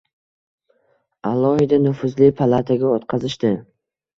Alohida nufuzli palataga o‘tqazishdi.